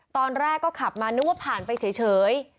ตอนแรกก็ขับมานึกว่าผ่านไปเฉย